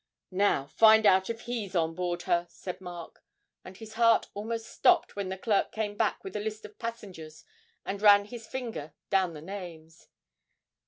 'Now find out if he's on board her,' said Mark; and his heart almost stopped when the clerk came back with a list of passengers and ran his finger down the names.